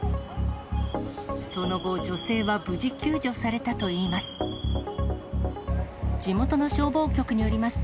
その後、女性は無事、救助されたといいます。